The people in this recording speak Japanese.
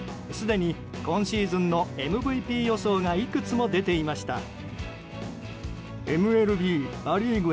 すでに今シーズンのＭＶＰ予想がいくつも出ていました。